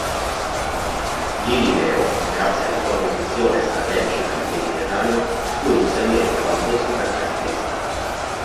Lilibeo, grazie alla sua posizione strategica nel Mediterraneo, fu inizialmente avamposto cartaginese.